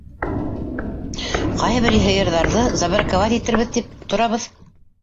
Ҡайһы бер һыйырҙарҙы забраковать итербеҙ тип торабыҙ...